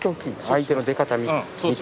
相手の出方見て。